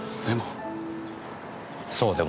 でも。